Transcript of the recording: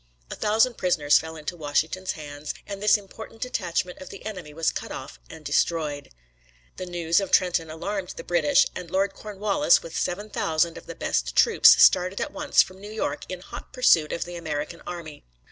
A thousand prisoners fell into Washington's hands, and this important detachment of the enemy was cut off and destroyed. The news of Trenton alarmed the British, and Lord Cornwallis with seven thousand of the best troops started at once from New York in hot pursuit of the American army.